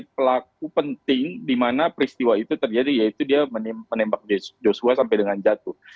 jadi pelaku penting di mana peristiwa itu terjadi yaitu dia menembak joshua sampai dengan jatuh